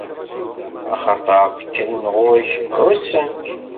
Axaṭer d-kkren ɣur-k, ɛuṣan-k.